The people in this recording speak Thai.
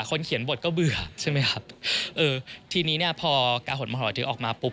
เขียนบทก็เบื่อใช่ไหมครับเออทีนี้เนี่ยพอกาหดมหอถือออกมาปุ๊บ